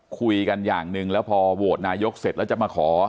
คุยกันอย่างหนึ่งแล้วพอโหวตนายกเสร็จแล้วจะมาขอ